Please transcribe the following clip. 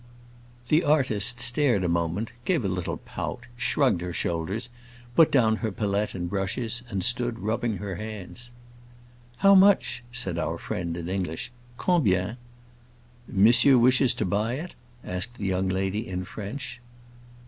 The artist stared a moment, gave a little pout, shrugged her shoulders, put down her palette and brushes, and stood rubbing her hands. "How much?" said our friend, in English. "Combien?" "Monsieur wishes to buy it?" asked the young lady in French.